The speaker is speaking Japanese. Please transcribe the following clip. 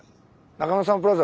中野サンプラザ。